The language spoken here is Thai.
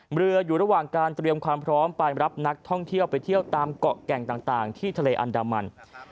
เรืออยู่ระหว่างการเตรียมความพร้อมไปรับนักท่องเที่ยวไปเที่ยวตามเกาะแก่งต่างที่ทะเลอันดามัน